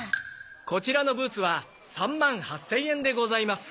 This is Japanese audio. こちらのブーツは３万８０００円でございます。